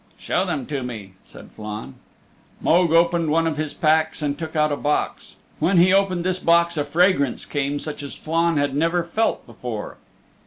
"Show them to me," said Flann. Mogue opened one of his packs and took out a box. When he opened this box a fragrance came such as Flann had never felt before.